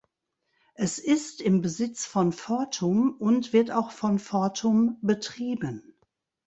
Es ist im Besitz von Fortum und wird auch von Fortum betrieben.